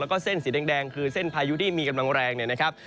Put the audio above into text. แล้วก็เส้นสีแดงคือเส้นพายุที่มีกำลังแรงเนี่ยนะครับ